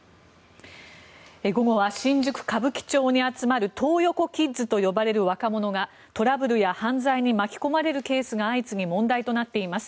午後は新宿・歌舞伎町に集まるトー横キッズと呼ばれる若者がトラブルや犯罪に巻き込まれるケースが相次ぎ問題となっています。